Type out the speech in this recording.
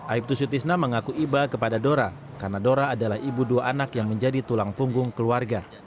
aibtu sutisna mengaku iba kepada dora karena dora adalah ibu dua anak yang menjadi tulang punggung keluarga